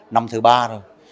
năm thứ ba rồi